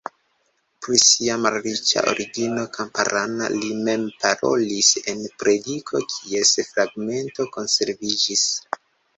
Pri sia malriĉa origino kamparana li mem parolis en prediko kies fragmento konserviĝis.